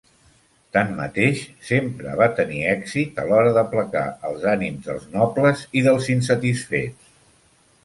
Tanmateix, sempre va tenir èxit a l'hora d'aplacar els ànims dels nobles i dels insatisfets.